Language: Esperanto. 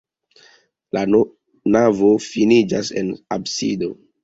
La navo finiĝas en absido.